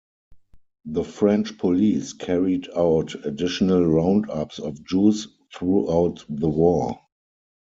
The French police carried out additional roundups of Jews throughout the war.